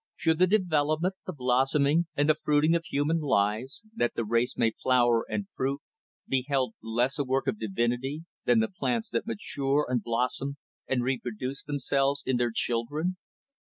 Should the development, the blossoming, and the fruiting of human lives, that the race may flower and fruit, be held less a work of divinity than the plants that mature and blossom and reproduce themselves in their children?